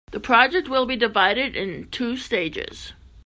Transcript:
The project will be divided in two stages.